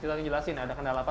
kita akan jelasin ada kena apa